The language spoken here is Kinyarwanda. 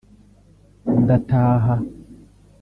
ndataha